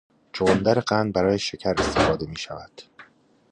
چغندر قند برای شکر استفاده می شود.